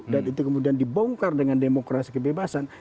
dan itu kemudian dibongkar dengan demokrasi kebebasan